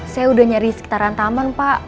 saya udah nyari sekitaran taman pak